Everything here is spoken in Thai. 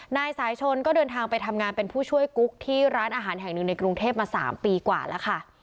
นายสายชนก็เดินทางไปทำงานเป็นผู้ช่วยกุ๊กที่ร้านอาหารแห่งหนึ่งในกรุงเทพมา๓ปีกว่าแล้วค่ะ